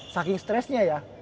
saking stressnya ya